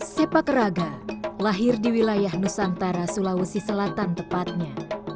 sepak raga lahir di wilayah nusantara sulawesi selatan tepatnya